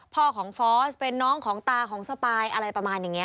พ่อของฟอสเป็นน้องของตาของสปายอะไรประมาณอย่างนี้